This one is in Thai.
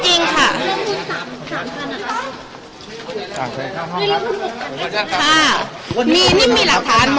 ขออนุญาตกันนะครับ